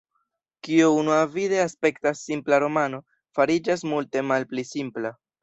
Kio unuavide aspektas simpla romano, fariĝas multe malpli simpla.